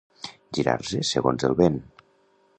Girar-se segons el vent.